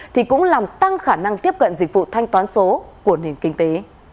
thì cũng làm tăng khả năng tiếp cận dịch vụ thanh toán số của nền kinh tế